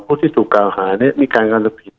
พวกที่ถูกการหาเนี่ยมีการการทำผิด